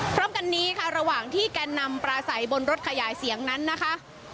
พร้อมกันนี้ค่ะระหว่างที่แกนนำปลาใสบนรถขยายเสียงนั้นนะคะ